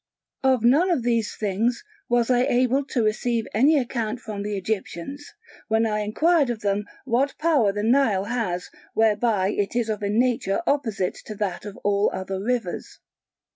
Of none of these things was I able to receive any account from the Egyptians, when I inquired of them what power the Nile has whereby it is of a nature opposite to that of all other rivers.